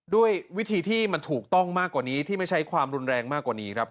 ด้วยวิธีที่มันถูกต้องมากกว่านี้ที่ไม่ใช้ความรุนแรงมากกว่านี้ครับ